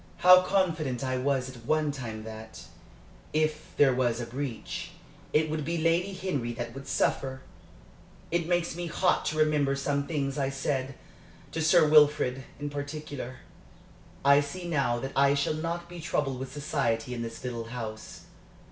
How confident I was at one time that, if there was a breach, it would be Lady Henry that would suffer! It makes me hot to remember some things I said to Sir Wilfrid, in particular. I see now that I shall not be troubled with society in this little house."